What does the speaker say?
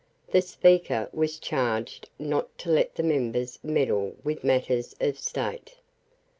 The Speaker was charged not to let the members meddle with matters of State.